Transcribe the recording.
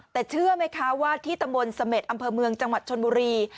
แต่เชื่อไหมคะว่าที่ตำบลเสม็ดอำเภอเมืองจังหวัดชนบุรี